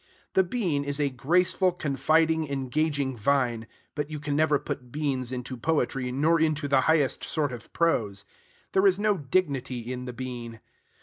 The bean is a graceful, confiding, engaging vine; but you never can put beans into poetry, nor into the highest sort of prose. There is no dignity in the bean.